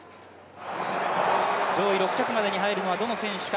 上位６着まで入るのはどの選手か。